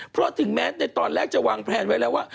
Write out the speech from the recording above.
เพราะถึงแม้ในตอนแรกจะวางแพลนไว้แล้วว่า